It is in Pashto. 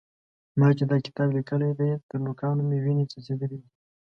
ما چې دا کتاب لیکلی دی؛ تر نوکانو مې وينې څڅېدلې دي.